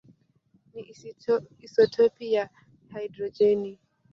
ni isotopi ya hidrojeni.